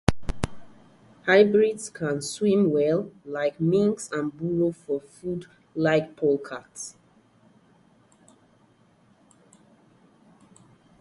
Hybrids can swim well like minks and burrow for food like polecats.